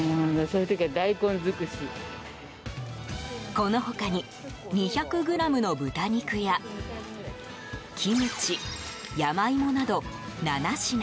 この他に２００ｇの豚肉やキムチ、山芋など７品。